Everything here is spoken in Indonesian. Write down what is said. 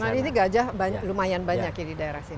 karena ini gajah lumayan banyak di daerah sini